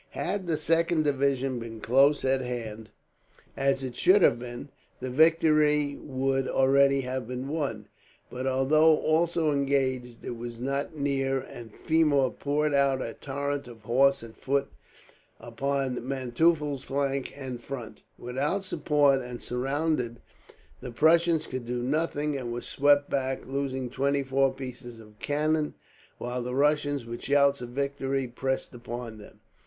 Had the second division been close at hand, as it should have been, the victory would already have been won; but although also engaged it was not near, and Fermor poured out a torrent of horse and foot upon Manteufel's flank and front. Without support, and surrounded, the Prussians could do nothing, and were swept back, losing twenty four pieces of cannon; while the Russians, with shouts of victory, pressed upon them.